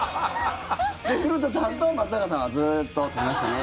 古田さんと松坂さんは、ずっととりましたね